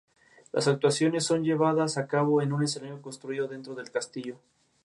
Otros modelos tuvieron por un tiempo soportes para cables de tranvía.